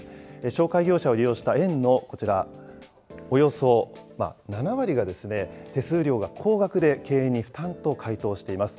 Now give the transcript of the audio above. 紹介業者を利用した園のこちら、およそ７割がですね、手数料が高額で経営に負担と回答しています。